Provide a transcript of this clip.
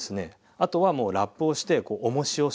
あとはラップをしておもしをする。